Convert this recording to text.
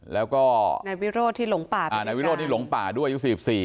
แล้วก็นายวิโรธที่หลงป่าอ่านายวิโรธที่หลงป่าด้วยยุคสี่สิบสี่